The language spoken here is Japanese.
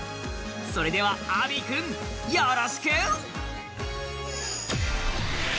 それではアビー君、よろしく！